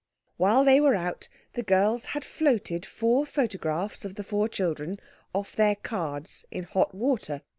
While they were out the girls had floated four photographs of the four children off their cards in hot water.